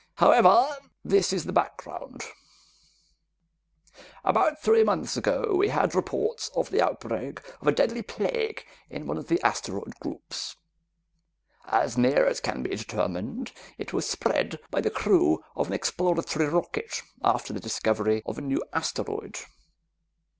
However this is the background: "About three months ago, we had reports of the outbreak of a deadly plague in one of the asteroid groups. As near as can be determined, it was spread by the crew of an exploratory rocket after the discovery of a new asteroid.